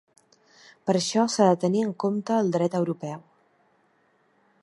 Per això s’ha de tenir en compte el dret europeu.